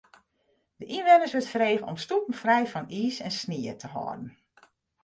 De ynwenners wurdt frege om stoepen frij fan iis en snie te hâlden.